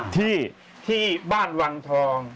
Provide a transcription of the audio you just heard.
ที่บ้านวังทอง